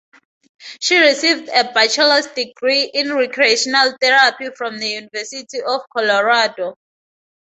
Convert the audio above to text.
She received a bachelor's degree in recreational therapy from the University of Colorado.